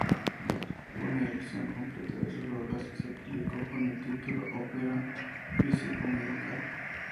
Una edición completa de sus obras se publicó con el título "Opera physico-medica.